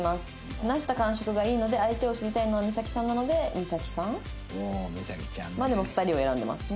「話した感触がいいので相手を知りたいのは実咲さんなので実咲さん？」まあでも２人を選んでますね。